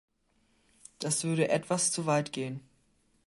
Das würde etwas zu weit gehen.